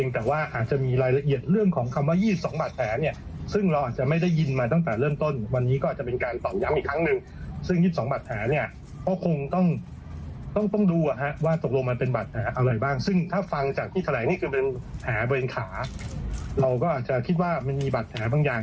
ถ้าเจอแผลเบนขาเราก็อาจจะคิดว่ามันมีบัตรแผลบางอย่าง